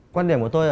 quan điểm của tôi